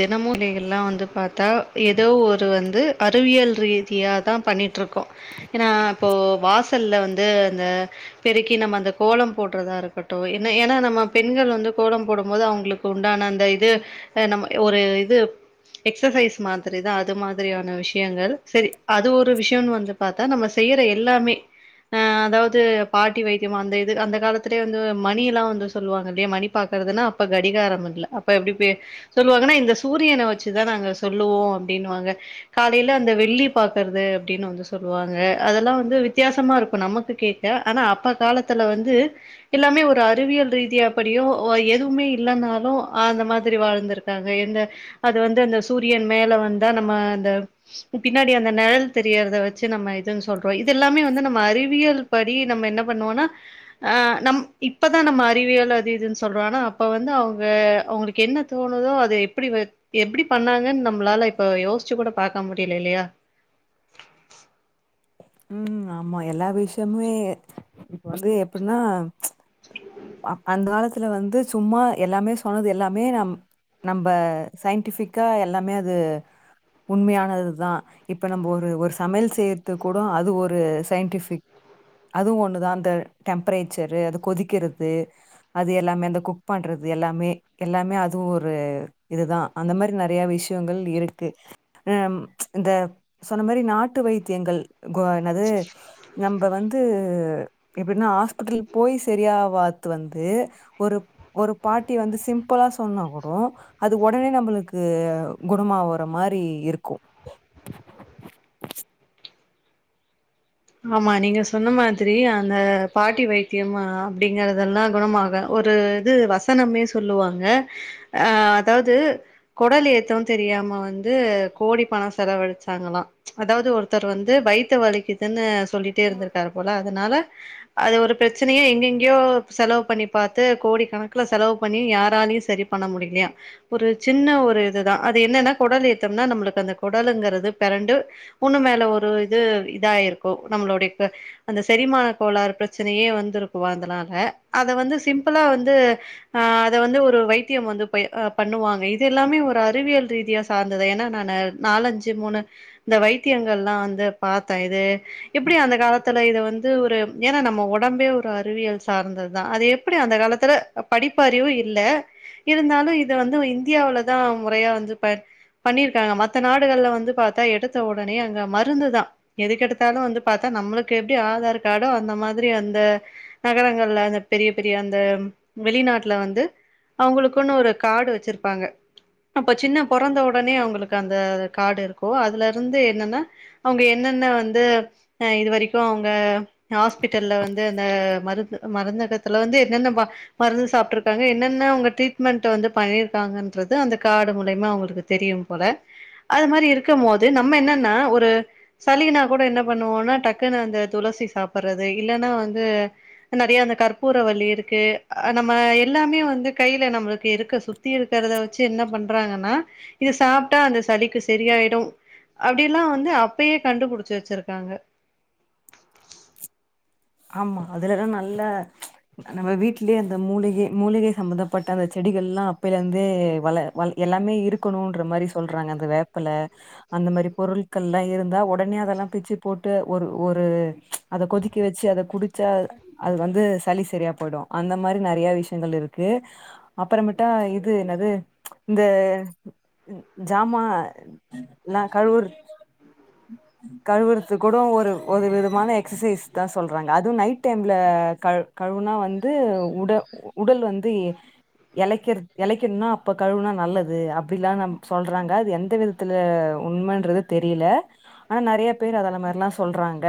தினமும் நேர்ல வந்து பார்த்தான் தான் ஏதோ ஒரு வந்து அறிவியல் ரீ ம்மியா தான் பண்ணிட்டுருக்கோம் ஏன்னா இப்போ வாசலில் வந்து அந்த பெருக்கி நம்ம அந்த கோலம் போடுறதா இருக்கட்டும் என்ன ஏன்னா நம்ம பெண்கள் வந்து கோலம் போடும் போது அவங்களுக்கு உண்டான அந்த இது நம்ம ஒரு இது எக்சசைஸ் மாதிரிதான் அது மாதிரியான விஷயங்கள் சரி அது ஒரு விஷயம்னு வந்து பார்த்தா நம்ம செய்யற எல்லாமே ஆஹ் அதாவது பாட்டி வைத்தியமா அந்த இது அந்த காலத்திலயே வந்து மணி எல்லாம் வந்து சொல்லுவாங்க இல்லையே மணி பாக்குறதுன்னா அப்ப கடிகாரம் இல்ல அப்ப எப்படி சொல்லுவாங்கன்னா இந்த சூரியனை வச்சுதான் நாங்க சொல்லுவோம் அப்படின்னு வாங்க காலையில அந்த வெள்ளி பார்க்கறது அப்படின்னு வந்து சொல்லுவாங்க அதெல்லாம் வந்து வித்தியாசமா இருக்கும் நமக்கு கேட்க ஆனா அப்ப காலத்துல வந்து எல்லாமே ஒரு அறிவியல் ரீதியா அப்படியோ எதுவுமே இல்லைன்னாலும் அந்த மாதிரி வாழ்ந்திருக்கு அது வந்து அந்த சூரியன் மேல வந்தா நம்ம அ பின்னாடி அந்த நிழல் தெரியறத வச்சு நம்ம இதுன்னு சொல்றோம் இது எல்லாமே வந்து நம்ம அறிவியல் படி நம்ம என்ன பண்ணுவோம்னாஹ் நம் இப்பதான் நம்ம அறிவியல் அது இதுனு சொல்றோம்னா அப்ப வந்து அவங்க அவங்களுக்கு என்ன தோணும் அது எப்படி எப்படி பண்ணாங்கன்னு நம்மளால இப்ப யோசிச்சு கூட பார்கக்க முடியல இல்லையா உஹம் ஆமா எல்லா விஷயமே இப்ப வந்து எப்படின்னா அந்த காலத்துல வந்து சும்மா எல்லாமே சொன்னது எல்லாமே நம் நம்ம சயின்டிஃபிக்கா எல்லாமே அது உண்மையானதுதான் இப்ப நம்ம ஒரு ஒரு சமையல் செய்யறது கூட அது ஒரு சயின்டிபிக் அதுவும் ஒண்ணுதான் அந்த டெம்பரேச்சரு அது கொதிக்கிறது அது எல்லாமே அந்த குக் பண்றது எல்லாமே எல்லாமே அதுவும் ஒரு இதுதான் அந்த மாதிரி நிறைய விஷயங்கள் இருக்கு ஹ இந்த சொன்ன மாதிரி நாட்டு வைத்தியங்கள் கோம் என்னது நம்ம வந்துட்டு எப்படின்னா ஹாஸ்பிட்டல் போய் சரியாவாத வந்து ஒரு ஒரு பாட்டி வந்து சிம்பிளா சொன்ன கூட அது உடனே நம்மளுக்கு குணமாவற மாதிரி இருக்கும் ஆமா நீங்க சொன்ன மாதிரி அந்த பாட்டி வைத்தியம் அப்படிங்கறதெல்லாம் குணமாக ஒரு இது வசனமே சொல்லுவாங்க அஹ் அதாவது குடல் ஏத்தம் தெரியாம வந்து கோடி பணம் செலவழச்சாங்களாம் அதாவது ஒருத்தர் வந்து வைத்த வலிக்கு என்ன சொல்லிட்டே இருந்திருக்காரு போல அதனால அது ஒரு பிரச்சனையே எங்கெங்கயோ செலவு பண்ணி பார்த்து கோடி கணக்கல செலவு பண்ணி யாராலயையும் சரி பண்ண முடியலையா ஒரு சின்ன ஒரு இதுதான் அது என்னன்னா குடல் ஏத்தோம்னா நம்மளுக்கு அந்த குடலுங்கிறது பரண்டு உண்ணு மேல ஒரு இது இதாயிருக்கும் நம்மளுடைய அந்த செரிமான கோளாறு பிரச்சனையே வந்து இருக்கு அதனால அத வந்து சிம்பிளா வந்து ஆஹ் அத வந்து ஒரு வைத்தியம் வந்து் பண்ணுவாங்க இது எல்லாமே ஒரு அறிவியல் ரீதியா சார்ந்தது ஏன்னா நான் நாலஞ்சு மூணு இந்த வைத்தியங்கள் எல்லாம் வந்து பார்த்தேன் இது எப்படி அந்த காலத்துல இதை வந்து ஒரு ஏன்னா நம்ம உடம்பே ஒரு அறிவியல் சார்ந்ததுதான் அது எப்படி அந்த காலத்துல படிப்பஅறிவும் இல்ல இருந்தாலும் இதை வந்து இந்தியவுலதான் முறையா வந்து ப பண்ணிருக்காங்க மத்த நாடுகள்ல வந்து பார்த்தா எடுத்த உடனே அங்க மருந்துதான் எதுக்கெடுத்த நம்ம எப்படி ஆதார் கார்டோ அந்த மாதிரி அந்த நகரங்கள்ல அந்த பெரிய பெரிய அந்த வெளிநாட்டுல வந்து அவங்களுக்குன்னு ஒரு கார்டு வச்சிருப்பாங்க அப்ப சின்ன பிறந்த உடனே அவங்களுக்கு அந்த கார்டு இருக்கும் அதுல இருந்து என்னன்னா அவங்க என்னென்ன வந்து வந்து அஹ் இது வரைக்கும் அவங்க ஹாஸ்பிட்டல்ல வந்து அந்த மருந்து மருந்தகத்துல வந்து என்னென்ன மருந்து சாப்டு இருக்காங்க என்னென்ன அவுங்க ட்ரீட்மெண்ட் வந்து பண்ணிருக்காங்கன்றது அந்த காடு மூலியமா அவங்களுக்கு தெரியும் போல அது மாரி இருக்கு போது நம்ம என்னன்ன ஒரு சளினா கூட என்ன பண்ணுவோன்னா டக்குன்னு அந்த துளசி சாப்பறது இல்லன்னா வந்து நெறைய அந்த கற்பூர வல்லி இருக்கு நம்ம எல்லாமே வந்து கைல நம்மளுக்கு இருக்கு சுத்தி இருக்கறத வச்சு என்ன பண்றாங்கன்னா இது சாப்டா அந்த சளிக்கு சரியாயிடும் அப்டில்லா வந்து அப்பயே கண்டுபுடுச் சு வச்சுருக்காங்க ஆமா அதுலத நல்ல நம்ம வீட்லே அந்த மூலிக மூலிக சம்பந்தப்பட்ட அந்த செடிகள் எல்லா அப்பேல இருந்தே வள எல்லாமே இருக்கணுன்ற மாரி சொல்றாங்க அந்த வேப்பல அந்த மாரி பொருட்கள் எல்லா இருந்தா ஒடனே அதெல்லா பிச்சு போட்டு ஒரு ஒரு அத கொதிக்க வச் அத குடிச்சா அது வந்து சளி சரியா போயிடும் அந்த மாரி நெறைய விஷயங்கள் இருக்கு அப்புற மெட்டா இது என்னது இந்த ஜாமா எல்லா கழுவுறத் கழுவுறது கூட ஒரு ஒரு விதமான எக்சசைஸ் அதா சொல்றா அதுவு நைட் டைம்ல கழுவுனா வந்து உட உடல் வந்து இளைக்க இளைக்கணுன்னா அப்ப கழுவுனா நல்லது அப்பிடில்லா சொல்றாங்க அது எந்த விதத்துல உண்மைன்றது தெரில ஆனா நெறைய பேர் அத மாரில்லா சொல்றாங்க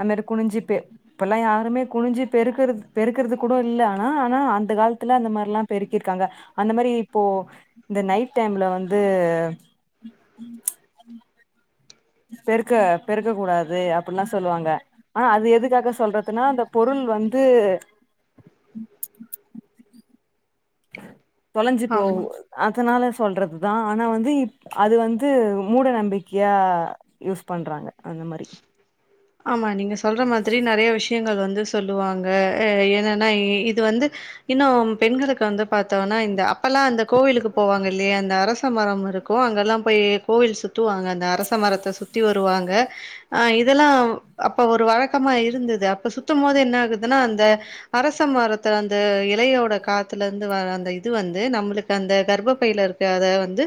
அன்மரி குனுஞ்சி பெ இப்பல்லா யாருமே குனுஞ்சி பெருக்கறது பெருக்கறது கூட இல்ல ஆனா ஆனா அந்த காலத்துல அந்த மாரில்லா பெருக்கிருக்காங்க அந்த மாரி இப்போ இந்த நைட் டைம்ல வந்து பெருக்க பெருக்க கூடாது அப்டில்லா சொல்லுவாங்க ஆனா அது எதுக்காக சொல்றதுன்னா அந்த பொருள் வந்து தொலஞ்சி ஆமா போவும் அதுனால ஸ் சொல்றது தா ஆனா வந்து இப் அது வந்து மூட நம்பிக்கையா யூஸ் பண்றாங்க அந்த மாரி ஆமா நீங்க சொல்ற மா திரி நெறைய விஷயங்கள் வந்து சொல்லுவாங்க என்னன்னா இது வந்து இன்னு பெண்களுக்கு வந்து பாத்தோன்னா இந்த அப்பல்லா இந்த கோவிலுக்கு போவாங்க இல்லயே இந்த அரசமரம் இருக்கும் அங்கல்லா போய் கோவில் சுத்துவாங்க இந்த அரச மரத்தை சுற்றி வருவாங்க ஆ இதெல்லா அப்ப ஒரு வழக்கமா இருந்தது அப்ப சுத்தம் போது என்ன ஆகுதுன்னா அந்த அரசமரத்த அந்த இலையோட காத்துல இருந்து வர அந்த இது வந்து நம்மளுக்கு அந்த கர்ப்ப பைல இருக்காத வந்து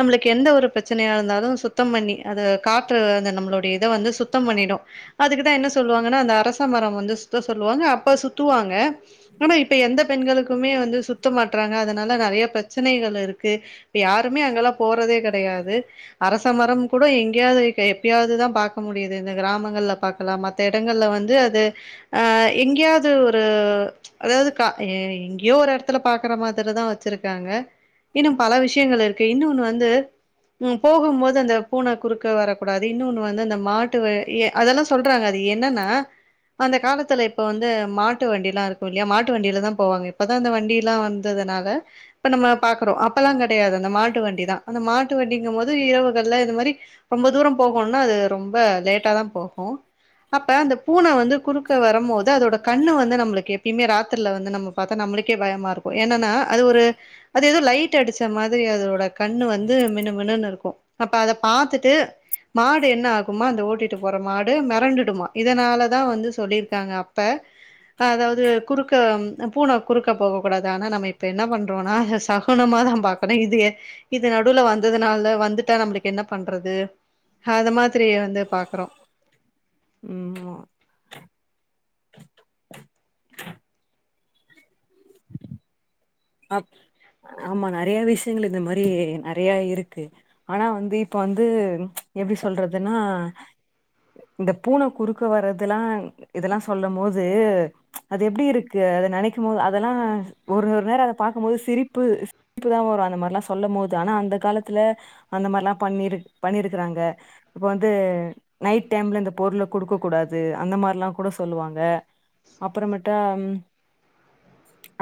நம்மளுக்கு எந்த ஒரு பிரச்சனையா இருந்தாலும் சுத்தம் பண்ணி அத காத்து அந்த நம்மளோ ட இத வந்து சுத்தம் பண்ணிடும் அதுக்குதா என்ன சொல்லுவாங்கன்ன அந்த அரசமரம் வந்து சுத்த சொல்லுவாங்க அப்ப சுத்துவாங்க ஆனா இப்ப எந்த பெண்களுக்குமே வந்து சுத்த மாட்டறாங்க அதுனால நெறைய பிரச்சனைகள் இருக்கு யாருமே அங்கெல்லா போறதே கெடையாது அரசமரம் கூட எங்காயது எப்பியாதுதா பாக்க முடியது இந்த கிராமங்கள்ல பாக்கலாம் மத்த எடங்கள்ல வந்து அது அ எங்கியாது ஒரு அதாவுது எங்கியோ ஒரு எடத்துல பாக்குற மாரிதா வச்சுருக்காங்க இன்னு பல விஷயங்கள் இருக்கு இன்னோன்னு வந்து போகும் போது அந்த பூனை குறுக்க வரக்கூடாது இன்னோன் வந் து அந்த மாட்டு வ அதெல்லா சொல்றாங்க அது என்னன்னா அந்த காலத்துல இப்ப வந்து மாட்டு வண்டில்லா இருக்கு இல்லியா மாட்டு வண்டியில தான் போவாங்க இப்பதான் வண்டி எல்லா வந்ததுனால இப்ப நம்ம பாக்குறோம் அப்பெல்லா கெடையாது அந்த மாட்டு வண்டிதான் அந்த மாட்டு வண்டிங்கும் போது இரவுகள்ல இது மாரி ரொம்ப தூரம் போகுன்னு அது ரொம்ப லேட்டா தா போகும் அப்ப அந்த பூனை வந்து குறுக்க வரும்போது அதோட கண்ணு வந்து நம்ம எப்பியுமே ராத்திரில வந்து நம்மளுக்கே பயமா இருக்கு என்னன்னா அது ஒரு அது எதோ லைட் அடிச்ச மாரி அதோட கண்ணு வந்து மினுமினு இருக்கும் அப்ப அத பாத்துட்டு மாடு என்ன ஆகு குமா அந்த ஓட்டிட்டு போற மாடு மிரண்டுடுமா இதுனாலதா வந்து சொல்லிருக்காங்க அப்ப அதாவுது குறுக்க பூனை குறுக்க போக கூடாது ஆனா என்ன பண்ரோன்னா சகுனமா தா பாக்ரோம் இது நடுல வந்த நாள்ல வந்துட்டா நம்மளுக்கு என்ன பண்றது அது மாது வந்து பாக்குறோ ம் அப் ஆமா நெறய விஷயங்கள் இந்த மாரி நெறயா இருக்கு ஆனா வந்து இப்ப வந்து எப்டி சொல்றதுன்னா இந்த பூனை குறுக்க வர்றதுல்லா இதெல்லா சொல்லும் போது அது எப்டி இருக்கு அத நெனக்க போது அதெல்லா ஒரு ஒரு நேரோம் பாக்கும்போது சிரிப்பு சிரிப்புதா வரும் அந்த மாரிலாம் சொல்ல போது ஆனா அந்த காலத்துல அந்த மாரி எல்லா பண்ணிரு பண்ணிருக்கிறாங்க இப்ப வந்து நைட் டைம்ல இந்த பொருள்ல குடுக்க கூடாது அந்த மாரிலா கூட சொல்லுவாங்க அப்புறமேட்டா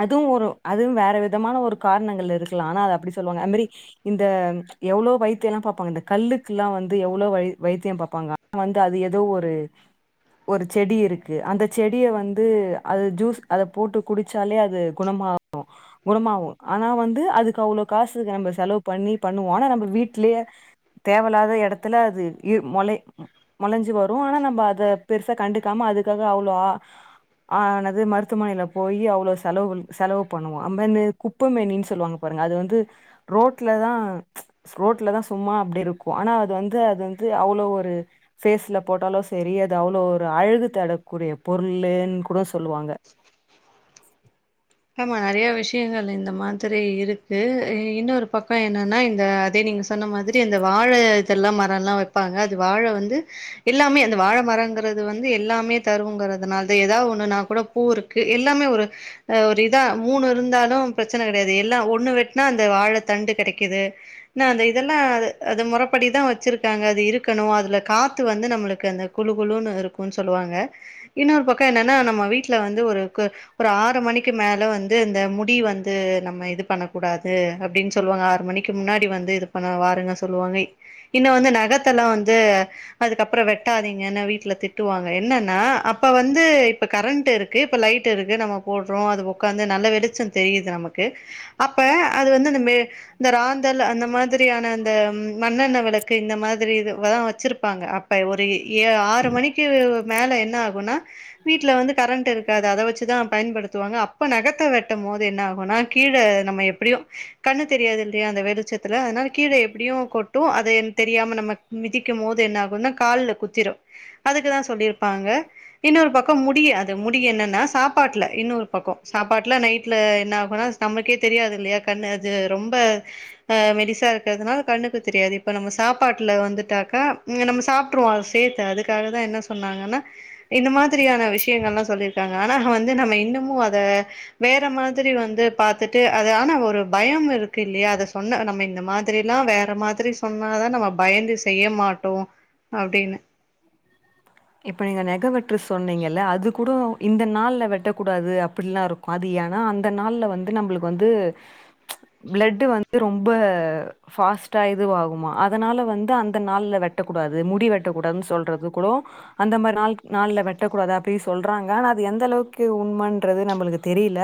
அதுவு ஒரு அதுவும் வேற வித விதமான ஒரு காரணங்கள் இருக்கலாம் ஆனா அது அப்டி சொல்லுவாங்க அத மாரி இந்த எவ்ளோ வைத்தியல்லா பாப்பாங்க இந்த கல்லுக்குல்லா வந்து எவ்ளோ வைத்தியம் பாப்பாங்க ஆ வந்து அது ஏதோ ஒரு ஒரு செடி இருக்கு அந்த செடிய வந்து அது ஜூஸ் அத போட்டு குடிச்சாலே அது குணமாகும் குணமாகும் ஆனா வந்து அதுக்கு அவ்ளோ காசுக்கு நம்ம செலவு பண்ணி பண்ணுவோம் ஆனா நம்ம வீட்லயே தேவல்லாத எடத்துல அது மொள மொளஞ்சி வரும் ஆனா நம்ம அத பெருசா கண்டுக்காம அதுக்காக அவ்ளோ ஆ ஆனது மருத்துவமனைல போய் அவ்ளோ செலவு செலவு பண்ணுவோம் நம்ம இந்த குப்பைமேனின்னு சொல்லுவாங்க பாருங்க அது வந்து ரோட்லதா ரோட்லதான் சும்மா அப்டி இருக்கும் ஆனா அது வந்து அது வந்து அவ்ளோ ஒரு பேஸ்ல போட்டாலு சரி அது அவ்ளோ ஒரு அழகு தடக்கூடிய பொருள்னு கூட சொல்லுவாங்க ஆமா நெறைய விஷயங்கள் இந்த மாதிரி இருக்கு இன்னொரு பக்கம் என்னன்னா இந்த அதே நீங்க சொன்ன மாதிரி இந்த அந்த வாழை இதெல்லா மரல்லா வைப்பாங்க அது வாழை வந்து எல்லாமே அந்த வாழை மரங்கிறது வந்து எல்லாமே தருங்கிறதுனால எதாவுது ஒண்ணுன்னா கூட பூ இருக்கு எல்லாமே ஒரு அ ஒரு இத மூணு இருந்தாலு பிரச்சனை கெடையாது எல்லா ஒன்னு வெட்டனா அந்த வாழை தண்டு கெடக்கிது ஏன்னா அந்த இதெல்லா அது முறைப்படிதான் வச்சுருக்காங்க அது இருக்கணு அதுல காத்து வந்து நம்மளுக்கு அந்த குளூ குளூன்னு இருக்குன்னு சொல்லுவாங்க இன்னொரு பக்கம் என்னன்னா நம்ம வீட்ல வந்து ஒரு ஒரு ஆறு மணி கி மேல வந்து இந்த முடி வந்து நம்ம இது பண்ணக்கூடாது அப்டின்னு சொல்லுவாங்க ஆறு மணிக்கு முன்னாடி வந்து இது வாருங்க சொல்லுவாங்க இன்னோ வந்து நகத்தல்லா வந் து அதுக்கப்ற வெட்டாதீங்கன்னு வீட்ல திட்டுவாங்க என்னன்னா அப்ப வந்து இப்ப கரண்ட் இருக்கு இப்ப லைட் இருக்கு நம்ம போடு ரோம் அது ஒக்காந்து நல்ல வெளிச்சம் தெரியுது நமக்கு அப்ப அது வந்து மே ராந்தல் அந்த மாதிரியான அந்த மண்ணெண்ண வெளக்கு இந்த மாதிரி வச்சுருப்பாங்க அப்ப ஒரு ஏ ஆறு மணிக்கு மேல என்ன ஆகுனா வீட்ல வந்து கரண்ட் இருக்காது அத வச்சுதான் பயன்படுத் துவாங்க அப் இப்ப நகத்த வெட்டமோது என்ன ஆகுன்னா கீழ நம்ம எப்டியும் கண்ணு தெரியாது இல்லையா அந்த வெளிச்சத்துல அதனால கீழே எப்டியும் கொட்டும் அத தெரியாம நம்ம மிதிக்கமோது என்ன ஆகுன்னா கால்ல குத் திரும் அதுக்கு தான் சொல்லிரு ப்பாங்க இன்னொரு பக்கம் முடிய அது முடிய என்னா நா சாப்பாட்ல இன்னொரு பக்கம் சாப்பாட்ல நைட்ல என்ன ஆகுன்னா நமக்கே தெரியாது இல்லையா கண்ணு அது ரொம்ப அ மெலிசா இருக்கறதுனால கண்ணுக்கு தெரியாது இப்ப நம்ம சாப்பாட்ல வந்துட்டாக்கா இங்க நம்ம சாப்ட்டுருவோம் அத சேத்து அதுக்காகதான் என்ன சொன்னாங்கன்னா இந்த மாதிரியான விஷியங்கள்லாம் சொல்லியிருக்காங்க ஆனா அங்க வந்து நம்ம இன்னும் இன்னு அத வேற மாதிரி வந்து பாத்துட்டு அது ஆனா ஒரு பயம் இருக்கு இல்லையா அதை சொன்ன நம்ம இந்த மாதிரி எல்லாம் வேற மாதிரி சொன்னாதான் நம்ம பயந்து செய்ய மாட்டோம் அப்டின்னு சொன்னீங்க இல்ல அது கூடும் இந்த நாள்ல வெட்டக்கூடாது அப்டிலா இருக்கும் அது ஏனா அந்த நாள்ல வந்து நம்பளுக்கு வந்து பிளடு வந்து ரொம்ப ஃபாஸ்ட்டா இதுவு ஆகுமா அதனால வந்து அந் அந்த நாள்ல வெட்டக்கூடாது முடி வெட்டக்கூடாதுன்னு சொல்றது கூடோ அந்த மாரி நாள் நாள்ல வெட்டக்கூடாது அப்டி சொல்றாங்க ஆனா அது எந்த அளவுக்கு உண்மன்றது நம்பளுக்கு தெரியில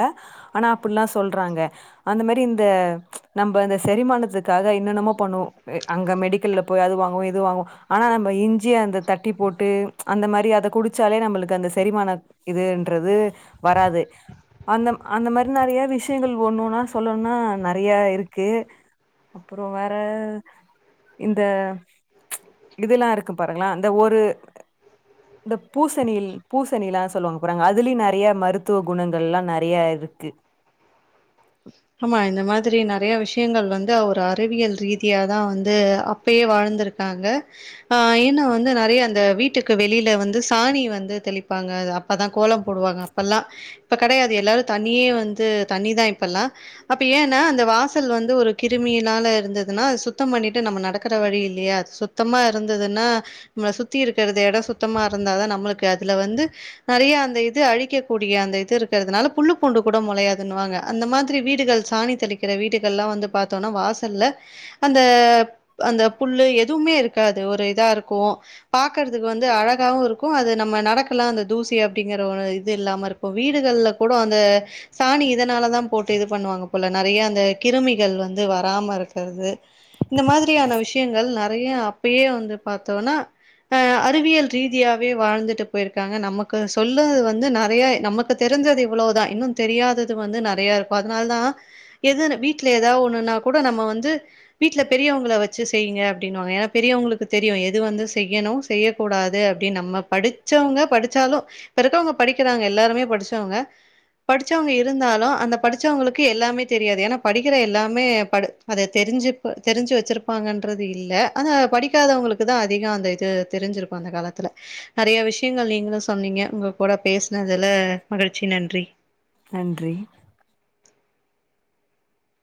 ஆனா அப்டிலாம் சொல்றாங்க அந்த மேரி இந்த நம்ப இந்த செரிமானத்துக்காக என்னன்னமோ பண்ணுவோ அங்க மெடிக்கல்ல போயி அது வாங்குவு இது வாங்குவும் ஆனா நம்ப இஞ்சி அந்த தட்டி போட்டு அந்த மாரி அத குடிச்சாலே நம்பளுக்கு அந்த செரிமான இதுன்றது வராது அந்த அந்த மாரி நறையா விஷியங்கள் ஒண்ணு ஒண்ணா சொல்லணும்னா நறையா இருக்கு அப்புறம் வேற இந் த இதுல்லாம் இருக்கு பாருங்களா அந்த ஒரு இந்த பூசணி பூசணிலா சொல்லுவாங்க பாருங்க அதுலியும் நறையா மருத்துவ குணங்கள்லாம் நறையா இருக்கு ஆமா இந்த மாதிரி நறையா விஷி யங்கள் வந்து ஒரு அறிவியல் ரீதியா தான் வந்து அப்பயே வாழ்ந்திருக்காங்க ஆ ஏன்னா வந்து நறையா அந்த வீட்டுக்கு வெளியில வந்து சாணி வந்து தெளிப்பாங்க அப்பதான் கோலம் போடுவாங்க அப்பெல்லாம் இப்ப கடையாது எல்லாரும் தண்ணியே வந்து தண்ணி தான் இப்பல்லாம் அப்ப ஏன்னா அந்த வாசல் வந்து ஒரு கிருமியினால இருந்ததுன்னா அது சுத்தம் பண்ணிட்டு நம்ம நடக்கிற வழி இல்லையா அது சுத்தமா இருந்ததுன்னா நம்மள சுத்தி இருக்கிறது எடம் சுத்தமா இருந்தாதான் நம்மளுக்கு அதுல வந்து நறையா அந்த இது அழிக்கக்கூடிய அந்த இது இருக்கறதுனால புல்லு பூண்டு கூட முளையாதுன்னுவாங்க அந்த மாதி ரி வீடுகள் சாணி தெளிக்கிற வீடுகள்லாம் வந்து பாத்தோன்னா வாசல்ல அந்த அந்த புல்லு எதுவுமே இருக்காது ஒரு இதா இருக்கும் பாக்கறதுக்கு வந்து அழகாவும் இருக்கும் அது நம்ம நடக் கலாம் அந்த தூசி அப்டிங்கிற ஒரு இது இல்லாம இருக்கும் வீடுகள்ல கூடோ அந்த சாணி இதனாலதா போட் டு பண்ணுவாங்க போல நறையா அந்த கிருமிகள் வந்து வராம இருக்கறது இந்த மாதிரியான விஷியங்கள் நறையா அப்பயே வந்து பாத்தோன்னா ஆ அறிவியல் ரீதியாவே வாழ்ந்துட்டு போயிருக்காங்க நமக்கு சொல்ல வந்து நறையா நமக்கு தெரிஞ்சது இவ்ளோதா இன்னும் தெரியாதது வந்து நறையா இரு இப்ப அதனால தான் எது வீட்ல எதா ஒண்ணுன்னா கூட நம்ம வந்து வீட்ல பெரியவங்கள வச்சி செய்ங்க அப்டின்னுவாங்க ஏனா பெரியவங்களுக்கு தெரியும் எது வந்து செய்யணும் செய்யக் கூடாது அப்டின் நம்ம படிச்சவங்க படிச்சாலும் இப்ப இருக்கவங்க படிக்கிறாங்க எல்லாருமே படிச்சவங்க படிச்சவங்க இருந்தாலும் அந்த படிச்சவங்களுக்கு எல்லாமே தெரியாது ஏனா படிக்கிற எல்லாமே படு அத தெரிஞ்சி ப தெரிஞ்சி வச்சிருப்பாங்கன்றது இல்ல ஆனா படிக்காதவங்களுக்கு தான் அதிகம் அந்த இது தெரிஞ்சிருக்கும் அந்த காலத்துல நறையா விஷியங்கள் நீங்களும் சொன்னீங்க உங்க கூட பேசனதுல மகிழ்ச்சி நன்றி நன்றி